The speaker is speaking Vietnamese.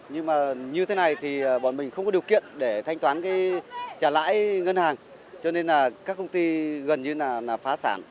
nhưng mà như thế này thì bọn mình không có điều kiện để thanh toán cái trả lãi ngân hàng cho nên là các công ty gần như là phá sản